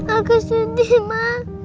aku sedih ma